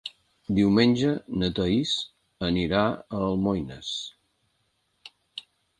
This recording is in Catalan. Diumenge na Thaís anirà a Almoines.